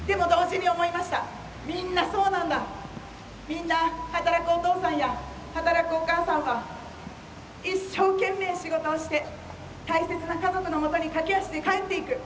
みんな働くお父さんや働くお母さんは一生懸命仕事をして大切な家族のもとに駆け足で帰っていく。